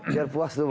biar puas dulu